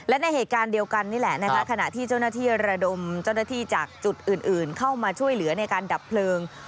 และในเหตุการณ์เดียวกันนี่แหละนะคะขณะที่เจ้าหน้าที่ระดมเจ้าหน้าที่จากจุดอื่นเข้ามาช่วยเหลือในการดับเพลิง